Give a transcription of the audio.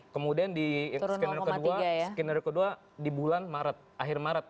kemudian di skenario kedua di bulan maret akhir maret